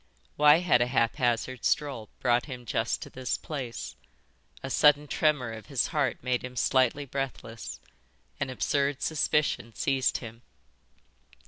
Why had a haphazard stroll brought him just to this place? A sudden tremor of his heart made him slightly breathless. An absurd suspicion seized him.